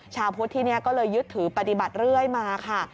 ชาวพุทธที่นี่ก็เลยยึดถือปฏิบัติเรื่อยมาค่ะ